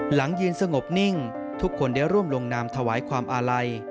หลังยืนสงบนิ่งทุกคนได้ร่วมลงนามถวายความอาลัย